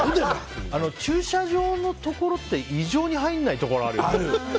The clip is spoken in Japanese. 駐車場のところって異常に入らないところあるよね。